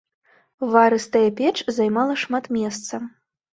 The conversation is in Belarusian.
Варыстая печ займала шмат месца.